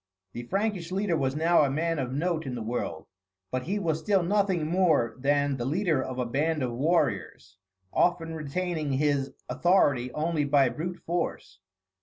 The Frankish leader was now a man of note in the world; but he was still nothing more than the leader of a band of warriors, often retaining his authority only by brute force.